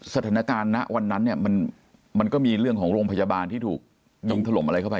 สถานการณ์นั้นมันก็มีเรื่องของโรงพยาบาลที่ถูกยมถลมอะไรเข้าไป